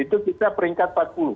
itu kita peringkat empat puluh